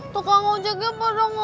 tukang uzieknya pada ngawur